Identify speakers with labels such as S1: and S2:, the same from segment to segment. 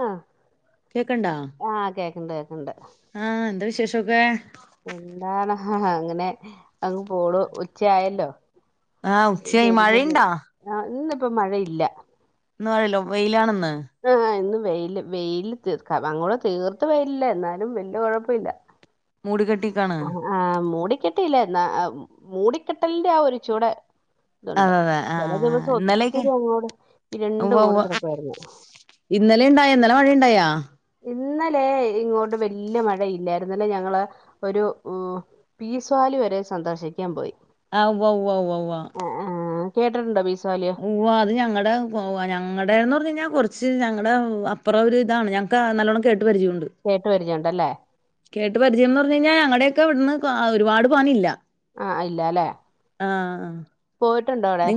S1: ആഹ്
S2: കേക്കണ്ടാ
S1: ആഹ് കേക്കണ്ട് കേക്കണ്ട്
S2: ആഹ് എന്താ വിശേഷ [unintelligible]
S1: എന്താണ് അങ്ങനെ അങ്ങ് പോണു ഉച്ചയായല്ലോ.
S2: ആഹ് ഉച്ചയായി മഴയിണ്ടാ?
S1: ഇപ്പ മഴയില്ല.
S2: ഇന്ന് മഴയില്ല, വ് വെയിലാണന്ന്.
S1: ആഹ് ഇന്നും വെയില് വെയില് തീർക്ക അങ്ങൂടെ തീർത്ത് വെയിലില്ല എന്നാലും വെല്യ കൊഴപ്പില്ല.
S2: മൂഡ് കെ
S1: ആഹ് ആഹ് മൂട് കെട്ടീല എന്നാ മൂടിക്കെട്ടലിന്റെ ആ ഒരു ചൂടെ ഇതുണ്ട്
S2: അതെ അതെ
S1: ചില
S2: ആഹ് ആഹ്
S1: ദിവസം
S2: ഇന്നലെയൊക്കെ
S1: ഒത്തിരി അങ്ങോട് ഇരുണ്ടു
S2: ഉവ്വ
S1: മൂടി
S2: ഉവ്വ
S1: കിടക്കുവായിരുന്നു
S2: ഇന്നലെ ഇണ്ടായ ഇന്നലെ മഴ ഇണ്ടായാ
S1: ഇന്നലെ ഇങ്ങോട്ട് വലിയ മഴയില്ലായിരുന്നു ഇന്നലെ ഞങ്ങള് ഒരു പീസ് വാലി വരെ സന്ദർശിക്കാൻ പോയി
S2: ആ ഉവ്വ ഉവ്വ ഉവ്വ ഉവ്വ
S1: കേട്ടിട്ടുണ്ട് ബിസ്
S2: ഉവ്വ അത് ഞങ്ങടെ ഞങ്ങടെന്ന് പറഞ്ഞ് കഴിഞ്ഞ കൊറ ച്ച് ഞങ്ങടെ അപ്പുറം ഒരിതാണ് ഞങ്ങൾക്ക് നല്ലോണം കേ പരിചയണ്ട്
S1: കേട്ടുപരിചയണ്ടല്ലേ
S2: കേട്ട പരിചയം എന്ന് പറഞ്ഞു കഴിഞ്ഞാൽ ഞങ്ങടെ ക്കെ ഇവിടുന്ന് ഒരുപാട് പണില്ലാ
S1: ആ ഇല്ല അല്ലേ പോ [unintelligible] ണ്ടൊ അവിടെ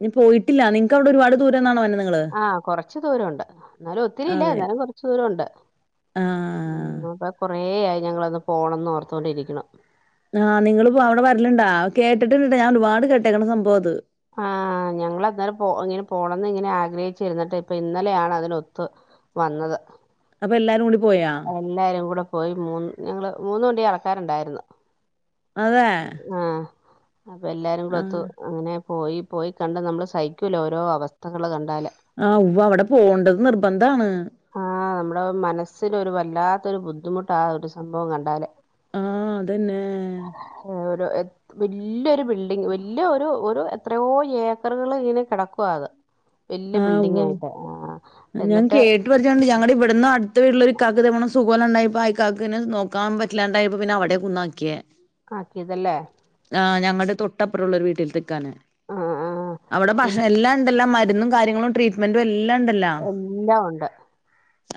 S2: ഇനി പോയിട്ടില്ല നിങ്ങക്ക് അവിടെ ഒരുപാട് ദൂരന്നണോെ വന്ന്
S1: ആഹ കൊറച്ചു ദൂരം ഒ ണ്ട് എന്നാലും ഒത്തിരി ഇല്ല
S2: അതെ
S1: എന്നാലും കൊറച്ചു ദൂരം ഉണ്ട്
S2: ആഹ്
S1: ഉ അപ്പൊ അേയായി ഞങ്ങളന്ന് പോണംന്ന് ഓർത്തുകൊണ്ടിരിക്കണം
S2: ആഹ് നിങ്ങിപ്പോ അവിടെരലുണ്ടാ കേട്ടിട്ട ഇണ്ട ഞാൻ ഒരുപാട് കേട്ടേക്കാണ് സംഭവം അത്
S1: ആ ഞങ്ങൾ അന്നേരം പോ ഇങ്ങനെ പോണംന്ന് ഇങ്ങനെ ആഗ്രഹിച്ചിരുന്നിട്ട് ഇപ്പൊ ഇന്നലെയാണ് അതിനു ഒത്തു വന്നത്
S2: അപ്പ എല്ലാരുംടി
S1: എല്ലാരും കൂടെ പോയി മൂന്ന് ഞങ്ങള്ൾ മൂന്ന് വണ്ടി ആ ൾ ക്കാരുണ്ടായിരുന്നു
S2: അതെ
S1: അപ്പൊ എല്ലാരും കൂടി ഒത്തു
S2: ആഹ്
S1: അങ്ങനെ പോയി പോയി കണ്ട് നമ്മള് സഹിക്കൂല ഓരോ അവസ്ഥകൾ കണ്ട്
S2: ആഹ ഉവ്വ അവിടെ പോകേണ്ടത് നിർബന്ധാണ്
S1: മനസ് മനസ്സൽ ഒരു വല്ലാത്തൊരു ബുദ്ധിമുട്ട് ആ ഒരു സംഭവം കണ്ടാാലേ
S2: ആഹ അതന്നെ
S1: വല്യൊ ഒരു ബിൽഡിങ് വല്യ ഒരു ഒരു എത്രയോ ഏക്കറുകൾ ഇങ്ങനെ കിടക്കും അത് വല്യ
S2: ആഹ്
S1: ബിൽഡിംഗ
S2: ഉവ്വ ഉവ്വ.
S1: ആയിട്ട് ആ
S2: ഞാൻ
S1: എന്നിട്ട്
S2: കേട്ട പറഞ്ഞുകണ്ട് ഞങ്ങളടെ ഇവിടുന്ന് അടുത്ത വീട്ടള്ള കക്ക് ഇതേപോണം സുഖമില്ലാണ്ടായപ്പം ഇക്കാക്നെ നോക്കാൻ പറ്റില്ലാണ്ടായിപ്പോ പിന്നെവിടെയാ കൊണ്ടാക്കിയെ
S1: ആക്കിയതല്ലേ
S2: ആ ഞങ്ങടെ തൊട്ട പ്പുമു ള്ള ഒരു വീട്ടിൽ ത
S1: ആ ആ
S2: അവിടെ
S1: എൽ-
S2: ഭക്ഷണം എല്ലാം ഉണ്ടല്ല മരുന്നും കാര്യങ്ങളുംട്രീറ്റ്മെന്റുംല്ലാണ്ടല്ല
S1: എല്ലാം ഉണ്ട്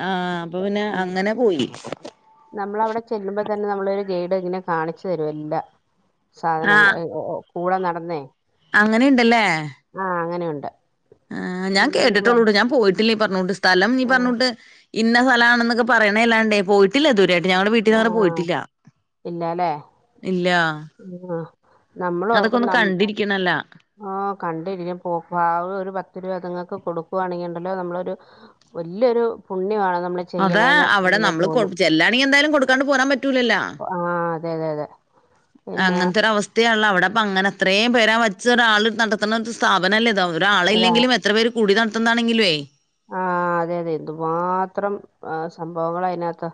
S2: ആഹ് അപ്പൊ പിന്നെ
S1: ഉ
S2: അങ്ങനെ പോയി
S1: നമ്മൾവിടെ ചെല്ലുമ്പോ തന്നെ നമ്മളരു ഗൈഡ് ഇങ്ങനെ കാണിച്ചു തരുമല്ല സാധനങ്ങ കൂടെ നടന്നേ
S2: അങ്ങനെുണ്ടല്ലേ
S1: ഉണ്ട
S2: ആ് ഞാൻ കേട്ടിട്ടുള്ളൂ ഞാൻ പോയിട്ട് ഇ പറഞ്ഞോട്ടിസ് സ്ഥലം നീ
S1: ഓ
S2: പറഞ്ഞോട്ട് ഇന്ന സ്ഥലമാണൊെ ക്കെ പറയേണ ല്ലാണ്ടേ പോയിട്ടില്ല ദുവരെയാട്ടും ട് ഞങ്ങളടെ
S1: ആ
S2: വീട്ടിൽന്നറ പോയിട്ടില്ല ഇല്ല
S1: ഉം [unintelligible] ആ നമ്മൾ
S2: അതൊക്കെ
S1: ഓർക്കും
S2: ഒന്ന്
S1: നം
S2: കണ്ടിരിക്കണല്ല
S1: ആ കണ്ടിരിക്കും പോവ് വാ ഒരു പത്ത് രൂ ക്കത്ങ്ങക്ക് കൊട്ക്കുവാണെങ്കി ഇണ്ടല്ലോ നമ്മളൊരു വല്യൊരു പുണ്യമാണ് നമ്മള്
S2: അതാ
S1: ചെയ്യണേന്ന്
S2: അവിടെ
S1: അങ്ങനെ
S2: നമ്മള് കൊ
S1: തോന്നും
S2: ചല്ലാണങ്കി എന്തായാലും കൊടുക്കാണ്ട് പോരാൻ പറ്റൂലല്ലോ?
S1: അതെയതെ അതെ പിന്നെ
S2: അങ്ങനത്തൊരു അവസ്ഥയാൻള്ളവടെ പ്പങ്ങനെ അത്രയും പേരാ വച്ച് ഒരാൾ നടത്ത്ണ ഒരു സ്ഥാപനല്ലേ ഇത് ഒരാളില്ലെങ്കിലും എത്ര പേര് കൂടി നട് ത്തന്താണെങ്കിലുവേ?
S1: ആഹ് അതെ അതെ എന്തുമാത്രം സംഭവങ്ങളാ അയ്നകത്ത്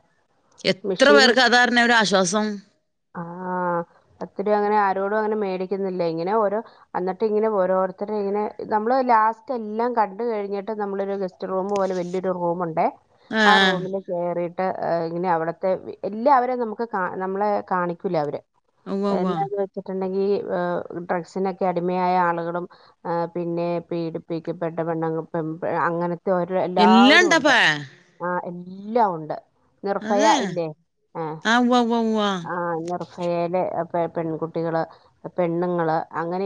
S2: എത്ര പേർക്ക് അതാരണെ ഒരാശ്വാസം.
S1: ആ ഒത്തിരി അങ്ങനെ ആരോടും അങ്ങനെ മേടിക്കുന്നില്ല ഇങ്ങനെ ഓരോ അന്നിട്ട് ഇങ്ങനെ ഓരോരുത്തരെ ഇങ്ങനെ നമ്മള് ലാസ്റ്റ് എല്ലാം കണ്ട് കഴിഞ്ഞിട്ട് നമ്മളൊരു ഗസ് റ്റ് റൂം പോലെ വലിയൊരു റൂമുണ്ടേ ആ
S2: ആഹ്
S1: റൂമിൽ കേറി ട്ട് ഇങ്ങനെ അവിടുത്തെ എല്ലാവരെയും നമുക്ക് കാ നമ്മളെ കാണിക്കൂല അവര്.
S2: ഉവ്വ ഉവ്വ
S1: എന്നാന്ന് വെച്ചിട്ട് ണ്ടെങ്കീ ഡ്രഗ്സിനൊക്കെ അടിമയായ ആളുകളും പിന്നെ പീഡിപ്പിക്കപ്പെട്ട പെണ്ണ് ങ്ങ പെമ്പ് അങ്ങന ത്തെ ഓരോ എല്ലാവരും ഉണ്ട്
S2: എല്ലാണ്ടപ്പാ
S1: ആ എൽ എല്ലാം ഉണ്ട്. നിർഭയ
S2: അതെ
S1: ഇല്ലേ
S2: ആ ഉവ്വ ഉവ
S1: ആ നിർഭയയിലെ ആ- പെൺകുട്ടികള് പെണ്ണുങ്ങള് അങ്ങനെ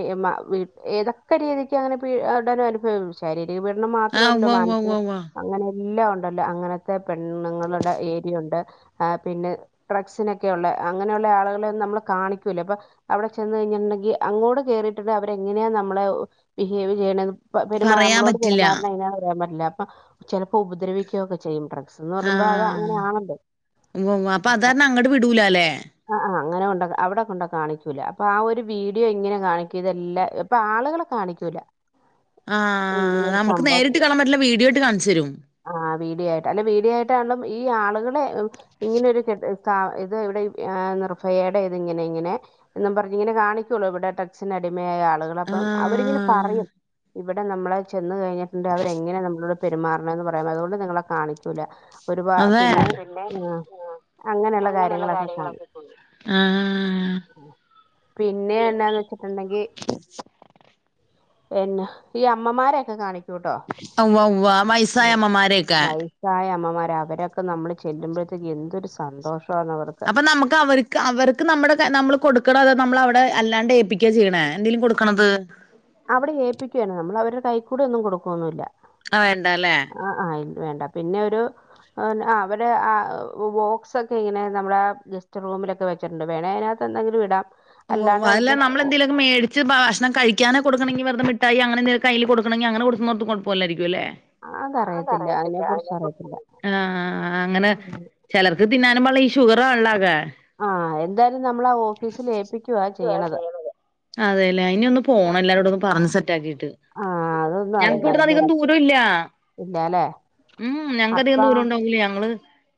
S1: ഏതൊക്കെ രീതിക്ക് അങ്ങനെവിടാനും അനുഭവ ശീ [inaudible] സ്ത്രീ പീഡനം
S2: ആഹ് ഉവ്വ
S1: മാത്രല്ലോ
S2: ഉവ്വ ഉവ്വ
S1: മാനസിക
S2: ഉവ്വ
S1: അങ്ങനെ- ഇല്ല ഉണ്ടല്ലോ അങ്ങനത്തെ- പെണ്ണുങ്ങളുടെ ഏരിയുണ്ട് ആ പിന്നെ ഡ്രഗ്സിനൊക്കെ ഒക്കെയള്ള അങ്ങനെയുള്ള ആളുകളെ ഒന്നും നമ്മള് കാണിക്കൂല്ല അപ്പൊ അവിടെ ചെന്ന് കഴിഞ്ഞിട്ടുണ്ടെങ്കിൽ അങ്ങോട്ട് കേറിയിട്ടുണ്ട് അവരെ എങ്ങനെയാണ് നമ്മളെ ബിഹേവ് ചെയ്യണ- പെ പെരുമാ
S2: പറയാൻ
S1: നമ്മളോട്
S2: പറ്റില്ല
S1: പെരുമാറണ എങ്ങനാന്ന് പറയാൻ പറ്റില്ല. ചിലപ്പോ ഉപദ്രവിക്കയൊക്കെ ചെയ്യുന്നുണ്ടണ്ട്
S2: ആഹ ഉവ്വ ഉവ്വ അപ്പൊ അതാണ അങ്ങട്ട വി ഉലല്ലേ [unintelligible]
S1: ആ ആ അങ്ങനെ കൊണ്ട അവിടെ കൊണ്ട കാണിക്കൂല അപ്പൊ ആ ഒരു വീഡിയോ ഇങ്ങനെ കാണിക്കതെല്ലാം ഇപ്പൊ ആളുകളെ കാണിക്കൂല
S2: ആ
S1: ഇങ്ങനെ ഒരു
S2: നമുക്ക്
S1: സംഭവം
S2: നേരിട്ട് കാണാൻ പറ്റില്ല വീഡിയോ ആട്ട് കാണിച്ച രും
S1: വീഡിയ ആയിട്ട് അല്ല വീഡോ ആയിട്ട ഈ ആളുകൾ ളെ ഉം ഇങ്ങനെ ഒരു ചെടി കാ ഇ ത് എവടെ ഈ നിർബയെടെ ഇതിങ്ങനെ ങ്ങനെ [unintelligible] മായ ആളുകൾ അപ്പം അവരിങ്ങനെ
S2: ആഹ്
S1: പറയും ഇവിടെ നമ്മളെ ചെ ചെന്ന് കഴിഞ്ഞിട്ടുണ്ട് അവരെങ്ങെ നമ്മളോട് പെരുമാറണംന്ന് പറയാ അതുകൊണ്ട് നിങ്ങളെ കാണിക്കൂല ഒരുപാ
S2: അതെ
S1: പിന്നെ ആഹ് അങ്ങനുള്ള
S2: അ
S1: കാര്
S2: ആ
S1: പിന്നെ എന്നാന്ന് വെച്ചിട്ടുണ്ടെങ്കിൽ പിന്നെ ഈ അമ്മമാരൊക്കെ കാണിക്കു
S2: ഉവ്വ് ഉവ്വ് വൈസായമ്മമാരക്കെ
S1: വയസ്സായ അവരൊക്കെ നമ്മള് ചെല്ലുമ്പോഴത്തേക്ക് എന്തൊരു സന്തോഷ
S2: അപ്പൊ നമുക്ക് അവർക്ക് അവർക്ക് നമ്മുടെ നമ്മള് കൊടുക്കണോ അതോ നമ്മൾ അവിടെ അല്ലാണ്ട് ഏപ്പിക്കാ ചെയ്യണേ എന്തേലും കൊടുക്കണത്
S1: അവിടെ ഏൽപ്പിക്കുവയാണ് നമ്മൾ അവരുടെ കൈ കൂടെ ഒന്നും കൊടുക്കുവൊന്നുംല്ല
S2: ആ വേണ്ടല്ലേ
S1: വേണ്ട പിന്നെ ഒരു അവിടെ ബോക്സ്ക്കെ ഇങ്ങനെ നമ്മുടെ ഗസ്റ്റ് റൂമിലൊക്കെ വെച്ചിട്ടുണ്ട് വേണ അതിനകത്ത് എന്തെങ്കിലും ഇടാം
S2: ഓ ഉവ്വ വ്വ
S1: അല്ലാണ്ട്
S2: അല്ല
S1: അവരുടെ
S2: നമ്മള എന്തേലുമൊക്കെ മേടിച്ച് ഭാക്ഷണം കഴി ക്ക്യാണ് കൊടുക്കുന്നെങ്കി വെർതെ മിഠായി അങ്ങനെന്ത കയ്യില് കൊടുക്കണെങ്കി അങ്ങനെ കൊടുന്നോർത്ത് [unintelligible]
S1: അതറിയത്തില്ല അതിനെ
S2: അതറിയത്തില്ലാ
S1: കുറിച്ച് അറിയത്തില്ല
S2: അതിനെക്കുറിച്ച് ആ.. അങ്ങനെ
S1: ഉം.
S2: ചെലർക്ക് തിന്നാന്നും വളി ഇഷ് ഷുഗർ ആണല്ലോ അത്
S1: ആഹ് എന്തായാലും നമ്മള് ആ ഓഫീസിൽ ഏൽപ്പി
S2: യാണ് ചെയുന്നത് അതെല്ലേ ഇനി ഒന്ന് പോണം എല്ലാരോട് ഒന്ന് പ ഒന്ന് സെറ്റക്കി
S1: ആ അതൊന്നും അത്
S2: ഞങ്ങക്ക് ഇവിടു അധികം
S1: നല്ലൊരു
S2: ദൂരം ഇല്ല
S1: ഇല്ല അല്ലേ
S2: ഉം ഞങ്ങക്ക്
S1: അപ്പ
S2: അധികം ദൂരം ഉണ്ടാവൂല ഞങ്ങള്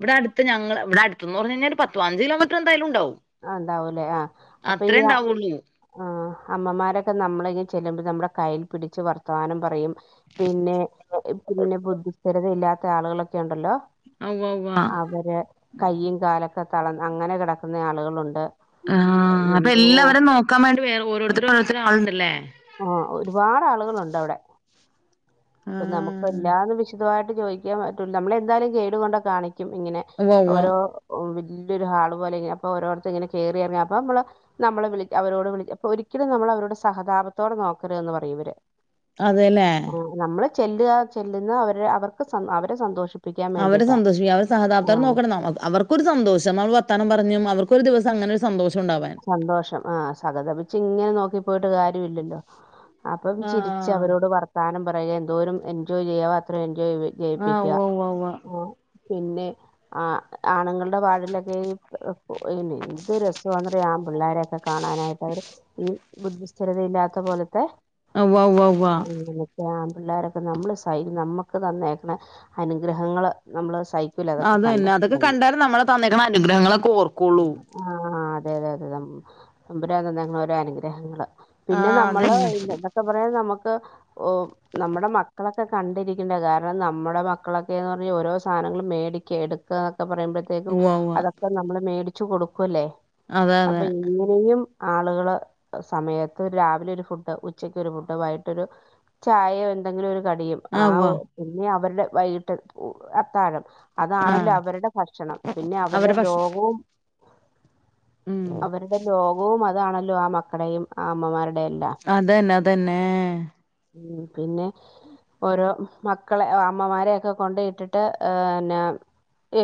S2: ഇവിടടുത്ത് ഞങ്ങള് ഇവിടെ അടുത്ത് എന്ന് പറഞ്ഞ് കഴിഞ്ഞ പത്തു പതിനഞ്ച് കിലോ മീറ്റർ എന്തായാലുംണ്ടാവും
S1: ആതാവൂല്ലേ ആഹ അപ്പൊ ഈ ആ
S2: ഉണ്ടാവുള്ളൂ
S1: അമ്മമാരൊക്കെ നമ്മളെങ്ങും ചെല്ലുമ്പോ നമ്മുടെ കൈയിൽ പിടിച്ച് വർത്തമാനം പറയും പിന്നെ പിന്നെ ബുദ്ധിസ്ഥിരത ഇല്ലാത്ത [unintelligible] ആളുകളൊക്കെ ഉണ്ടല്ലോ
S2: ഉവ്വ ഉവ്വ
S1: അവര് കയ്യും കാലോ തളന്ന് അങ്ങനെ കിടക്ക് ആളുകളുണ്ട്
S2: ആഹ അപ്പൊ
S1: എന്തോ
S2: എല്ലാവരും നോക്കാൻ വേണ്ടി വേറെ ഓരോരുത്തരു ഓരോരുത്തർ ആളുണ്ടല്ലേ
S1: ആ ഒരുപാട് ആളു ളൂണ്ട് അവിടെ അപ്പൊ നമുക്ക്
S2: ആഹ്
S1: എല്ലാന്ന് വിശദമായിട്ട് ചോയിക്കാൻ പറ്റൂ നമ്മളെന്തായാലും കേട് കൊണ്ട് കാണി ക്കും ഇങ്ങനെ
S2: ഉവ്വ ഉവ്വ
S1: ഓരോ [unintelligible] വല്ലോരു ഹാൾ പോലെ ഇ അപ്പോ ഓരോത്തർ ഇങ്ങനെ കയറിയിറ അപ്പം നമ്മള് നമ്മള വിള അവരോട് വിളി അപ്പോ ഒരിക്കലും നമ്മള അവരോട് സഹതാപ ത്തോടെ നോക്കരുതെന്ന് പറയും ഇവരെ
S2: അതെല്ലേ
S1: ചെല്ലുക ചെല്ലുന്ന അവരെ അവർക്ക് സ അവരെ സന്തോഷി
S2: അവരെ സന്തോഷിപ്പിക്കാൻ അവ സഹതാപതാർ നോക്കണം ന അവർക്കൊരു സന്തോഷം അവ വർത്താനം പറഞ്ഞും അവർ ക്ക് ഒരു ദിവസം അങ്ങനൊരു സന്തോഷം ഉണ്ടാവാൻ.
S1: സന്തോഷം ആ സഹതപിച്ച് ഇങ്ങനെ നോക്കി പോയിട്ട് കാര്യമില്ലല്ലോ അപ്പം ചിരിച്ച്
S2: ആഹ്
S1: അവരോട് വർത്താനം പറയ എന്തോരം എൻജോയ് ചെയ്യാവോ അത്രേം എൻ [unintelligible]
S2: ആഹ്
S1: ജയിപ്പിക്കുക
S2: ഉവ്വ ഉവ്വ ഉവ്വ.
S1: ഉം പിന്നെ ആ ആണുങ്ങൾ [unintelligible] എന്ത് രസണ് [unintelligible] ആൺ പിള്ളാരൊക്കെ കാണാനായിട്ട് അവർ ഈ ബുദ്ധിസ്ഥിരതയില്ലാത്ത പോലത്തെ
S2: ഉവ്വാ ഉവ്വാ ഉവ്വാ
S1: പിള്ളേരൊക്കെ നമ്മൾ സൈ നമുക്ക് തന്നേക്കണ അനുഗ്രഹങ്ങള് നമ്മള് സഹിക്കൂല
S2: ആ
S1: അതൊക്കെ
S2: അതന്നെ അതൊക്കെ
S1: കണ്ടിട്ടുണ്ടെങ്കി
S2: കണ്ടാലെ നമ്മൾ തന്നേക്കണ അനുഗ്രഹങ്ങളൊക്കെ ഓർക്കുള്ളൂ
S1: ആഹ് അതെ അതെ അതെ ത തമ്പുരാൻ തന്നേക്കുന്ന ഓരോ അനുഗ്രഹങ്ങള് പിന്നെ
S2: ആഹ്
S1: നമ്മള്
S2: അതന്നെ.
S1: ഇതോക്കെ പറയാൻ നമു ഓഹ് നമ്മുടെ മക്കളൊക്കെ കണ്ടിരിക്കണ്ട കാരണം നമ്മുടെ മക്കളൊക്കെന്ന് പറഞ്ഞാൽ ഓരോ സാധനങ്ങളും മേടിക്ക എടുക്ക പറയുമ്പോഴത്തേക്കും
S2: ഉവ്വ ഉവ്വ
S1: അതൊക്കെ നമ്മൾ മേടി ച്ചു കൊടുക്കുല്ലെ
S2: അതെ
S1: അപ്പ
S2: അതെ
S1: ഇങ്ങനെയും ആളുകള് സമയത്ത് രാവിലെ ഒരു ഫുഡ് ഉച്ചക്ക് ഒരു ഫുഡ് വൈകിട്ടൊരു ചായയോ എന്തെങ്കിലും ഒരു കടിയും ആ
S2: ആഹ് ഉവ്വ
S1: പിന്നെ അവരുടെ വൈകിട്ട് അത്താഴം
S2: ആഹ്
S1: അതാണല്ലോ അവരുടെ ഭക്ഷണം പിന്നെ
S2: അവരെ
S1: അവരുടെ
S2: ഭക്ഷ
S1: ലോകവും
S2: ഉം
S1: അവരുടെ ലോകവും അതാണല്ലോ ആ മക്കടേയും ആ അമ്മമാരുടെ എല്ലാം
S2: അതന്നെ അ തന്നേ
S1: ഉ പിന്നെ ഓരോ മക്കളെ അമ്മമാരെയൊക്കെ കൊണ്ടയിട്ടിട്ട്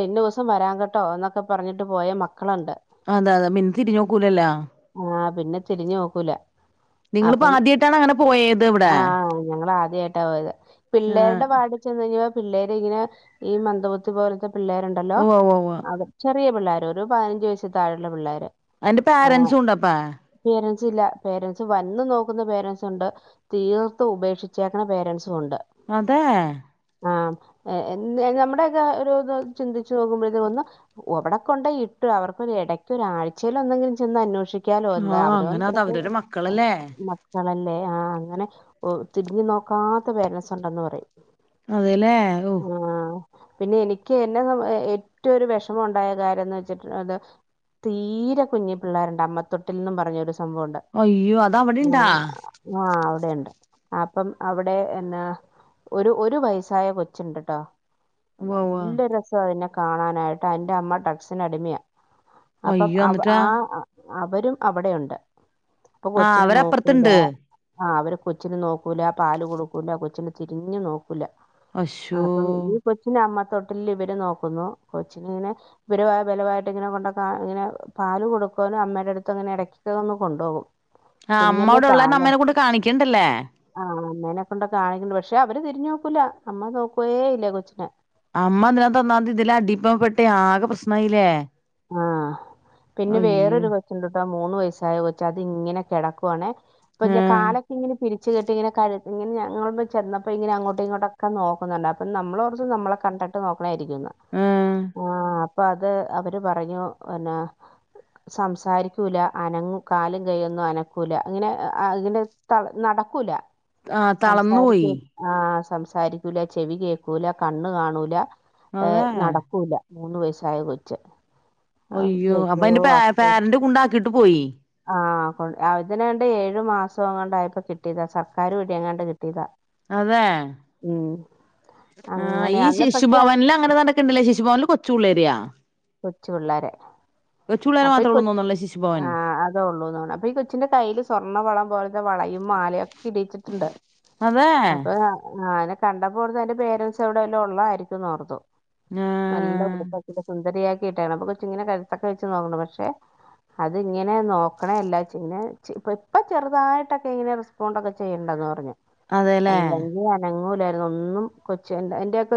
S1: ഇന്ന ദിവസം വരാൻ കേട്ടോ എന്നൊക്കെ പറഞ്ഞിട്ട് പോയ മക്കളുണ്ട്
S2: അതെ അതെ മിൻ തിരിഞ്ഞോക്കൂലല്ലാ
S1: ആഹ പിന്നെ തിരിഞ്ഞ് നോക്കൂല
S2: നിങ്ങളിപ്പോ
S1: അപ്പം
S2: ആദ്യായിട്ടാണൊ അങ്ങനെ പോയത് ഇവിടെ
S1: അദ്യായിട്ടാ യത്
S2: ആഹ്
S1: പിള്ളേരുടെ പാടെ ചെന്ന് ഴി പിള്ളേര് ഇങ്ങനെ ഈ മന്ദപുത്തി പോലത്തെ പിള്ളേരുണ്ടല്ലോ
S2: ഉവ്വ ഉവ്വ ഉവ്വ.
S1: അ ചെറിയ പിള്ളേർ ഒരു പതിനഞ്ച് വയസ്സിത്താഴെയുള്ള പിള്ളേര്
S2: അതിന്റെ പാരൻറ്സും ഉണ്ട് പ്പ
S1: പേരൻസില പേരൻറ്സ് വന്ന് നോക്കുന്ന പേരൻറ്സ് ഉണ്ട് തീർത്ത് ഉപേക്ഷിച്ചേക്കുന്ന പേരൻറ്സും ഉണ്ട്
S2: അതെ
S1: ആ നമ്മുടെയൊക്കെ ഒരു ഇത് ചിന്തിച്ചു നോക്കുമ്പോഴേത് വന്ന് അവിടെ കൊണ്ടയിട്ടു അവർക്ക ഇടയ്ക്ക് ഒരാഴ്ചൽ ഒന്നെങ്കിലും ചെന്ന് അന്വേഷിക്ക ാലോ എന്താ
S2: ആഹ്
S1: അവരോൻ
S2: അങ്ങനെ അത് അവരവരെ മക്കളല്ലേ
S1: മക്കളല്ലേ ആ അങ്ങനെ തിരിഞ്ഞു നോക്കാത്ത വ പേരൻസ് ഉണ്ടെന്ന് പറയും
S2: അതെല്ലേ ഓ
S1: ആഹ് പിന്നെ എനിക്ക് എന്നെ ഏറ്റവും ഒരു വിഷമം ഉണ്ടായ കാര്യംന്ന് വെച്ചിട്ട് അത് തീരെ കുഞ്ഞി പിള്ളേരുണ്ട് അമ്മ തൊട്ടിൽ നിന്ന പറഞ്ഞൊരു സംഭവണ്ട്
S2: അയ്യോ അത് അവിടെണ്ടാ
S1: ആ അവിടെണ്ട് അപ്പം അവിടെ എന്നാ ഒരു ഒരു വയസായ കൊച്ചുണ്ട്ട്ടോ
S2: ഉവ്വ് ഉവ്വ്
S1: നല്ല രസാ അദിനെ കാണാനായിട്ട് അയ്ന്റെ അമ്മ ടക്സിന് അടിമയ അപ്പം
S2: അയ്യോ
S1: അ
S2: എന്നിട്ടാ
S1: ആ അവരും അവിടെയുണ്ട് ഇപ്പൊ
S2: ആഹ്
S1: കൊച്ചിനെ നോക്കൂല
S2: അവരപ്പുറത്തുണ്ട്
S1: ആ അവര് കൊച്ചിന് നോക്കൂല പാ കൊടുക്കൂില്ല കൊച്ചിന് തിരിഞ്ഞ് നോക്കില്ല ആ
S2: അശ്ശോ
S1: അപ്പം ഈ കൊച്ച്ന് അമ്മ തൊട്ടില്ൽ ഇവര് നോക്കുന്നു കൊച്ചിനിങ്ങനെ ഇവരു ബലമായിട്ട് ങ്ങനെ കൊണ്ട ഇങ്ങനെ പാല് കൊടുക്കുന്നമ്മ എടുത്ത് ങ്ങനെ ഇടക്കൊന്നങ്ങ് കൊണ്ടോകും
S2: ആഹ് അമ്മ
S1: കുഞ്ഞല്ലേ
S2: അവിടെ ഉള്ളാരണം
S1: പാല
S2: അമ്മേനെ കൊണ്ട് കാണിക്കണ്ടല്ലേ
S1: ആ അമ്മേനെ കൊണ്ടെ കാണിക്കണ്ട് പക്ഷെ അവര് തിരിഞ്ഞു നോ നോക്കൂല അമ്മ നോക്കേ ഇല്ല കൊച്ചിനെ
S2: അമ്മ ഇതിനക [unintelligible] ഇതില അടിപ്പ പെട്ടേ ഇതിലാകെ പ്രശ്നായിലേ
S1: ആഹ് പിന്നെ വേറൊരു കൊച്ച്ണ്ട്ട്ടാ മൂന്ന് വയസ്സായ കൊച്ചാ അത് ങ്ങനെ കെടക്കുവാണേ അപ്പൊ ഞാ
S2: ആഹ്
S1: കാലൊക്കെ ഇങ്ങനെ പിരിച്ച് കെട്ടി ഇങ്ങനെ കഴ ഇങ്ങനെ ഞങ്ങളാട്ന്ന് ചെന്നപ്പോ ഇങ്ങനെ അങ്ങോട്ടും ഇങ്ങോട്ടൊക്കെ നോക്കുന്നുണ്ട് അപ്പൊ നമ്മള് ഓർത്തു നമ്മളെ കണ്ടിട്ട് നോക്ക ഇരിക്കുന്നു
S2: ആഹ്
S1: ആഹ് പ്പോ അത് അവ അവര് പറഞ്ഞു പിന്നെ സംസാരിക്കൂല അനങ്ങും കാലും കൈയ്യൊന്നും അനക്കൂല അങ്ങനെ ഇങ്ങെ ത നടക്കൂല
S2: ആഹ് തളർന്നു
S1: സംസാരിക്കു
S2: പോയി
S1: ആ സംസാ സംസാരിക്കൂല ചെവി കേൾക്കൂല കണ്ണ് കാണൂല ഏഹ്
S2: അതെ
S1: നടക്കൂല മൂന്ന് വയസായ കൊച്ച
S2: അയ്യോ അപ്പൊ അന്റെ പ പാരന്റ് കൊണ്ടാക്ക കിട്ട് പോയി
S1: ആ കൊ ഇതിനണ്ട് ഏഴു മാസം അങ്ങണ്ടയിപ്പോ കിട്ടിയതാ സർക്കാർ വീടി എങ്ങാണ്ട് കിട്ടിയതാ
S2: അതെ
S1: ഉം
S2: ആ
S1: അങ്ങനെ
S2: ഈ
S1: അന്ന് പക്ഷെ ആ
S2: ശിശുഭവനിൽ അങ്ങനെ നടക്കണ്ടല്ലേ ശിശുഭവനിൽ കൊ ചുളരിയാ
S1: കൊച്ചു പിള്ളേരെ
S2: പിള്ളേരെ
S1: അപ്പൊ ഈ
S2: മാത്രേ ഉള്ളൂന്ന്
S1: കൊച്ചി
S2: തോന്നുന്നല്ലേ ശിശുഭവൻ
S1: ആ അതള്ളൂന്ന് അപ്പൊ ഈ കൊച്ചിന്റെ കയ്യിൽ സ്വർണ്ണ വളം പോലത്തെ വളയും മാലയും ഒക്കെ ഇടിച്ചിട്ടുണ്ട്
S2: അതെ
S1: അപ്പൊ അതിന കണ്ടപ്പോ പ്പോർത്ത് അയ്‌ന്റെ പേരൻസ് അവിടെവല്ലോം ഉള്ളായിരിക്കുംന്നോർത്തു
S2: ആ
S1: നല്ല ഉടുപ്പൊക്കെട്ട് സുന്ദരിയാ [unintelligible] കൊച്ച്ങ്ങനെ കഴുത്തൊക്കെ ക്ക്ണ് പക്ഷെ അത്ങ്ങനെ നോക്കണേ എല്ലാ ച്ച് ഇങ്ങനെ ഇപ്പ ചെറുതായിട്ടൊക്കെ ഇങ്ങനെ റെസ്പോണ്ട് ഒക്കെ ചെയ്യ്ണ്ടെന്നാ പറഞ്ഞ്
S2: അതെല്ലേ
S1: അല്ലെങ്കി അനങ്ങൂല അതൊന്നും കൊ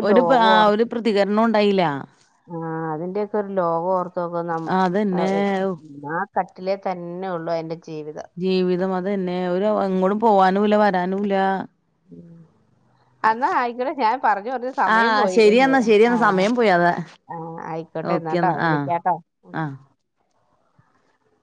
S2: ഒരു ആ ഒരു പ്രതികരണംണ്ട് തൈല
S1: ആ അതിന്റെയൊക്കെ ഒരു ലോകം ഓർക്ക
S2: ആ, അതന്നെ
S1: [unintelligible] കട്ടിലേ തന്നെ ഉള്ളു അയിൻ്റെ
S2: ജീവിതം അത് തന്നെ ഒരു എങ്ങോടും പോവാനും ഇല്ല വരാനും ഇല്ല നുമില്ല
S1: എന്നാ ആയിക്കോട്ടെ ഞാൻ പറഞ്ഞു പറഞ്ഞു
S2: ആ
S1: സമയം പോയി
S2: ശരിയെന്നാ ശരിയെന്നാ
S1: ആഹ്
S2: സമയം പോയി അതാ
S1: ആഹ് ആയിക്കോട്ടെ എന്നാട്ടോ
S2: ഓക്കെന്നാ ആ
S1: വിളിക്കാട്ടോ
S2: ആ